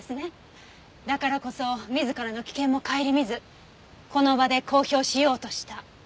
だからこそ自らの危険も顧みずこの場で公表しようとした。